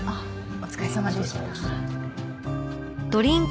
お疲れさまでした。